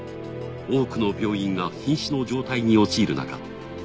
多くの病院が瀕死の状態に陥るなか